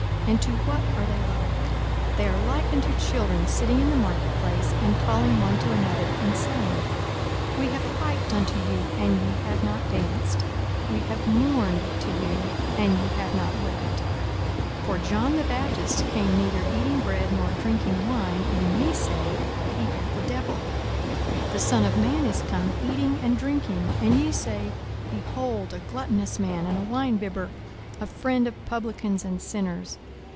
and to what are they like? 42:007:032 They are like unto children sitting in the marketplace, and calling one to another, and saying, We have piped unto you, and ye have not danced; we have mourned to you, and ye have not wept. 42:007:033 For John the Baptist came neither eating bread nor drinking wine; and ye say, He hath a devil. 42:007:034 The Son of man is come eating and drinking; and ye say, Behold a gluttonous man, and a winebibber, a friend of publicans and sinners!